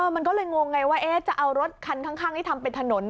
มันก็เลยงงไงว่าจะเอารถคันข้างที่ทำเป็นถนน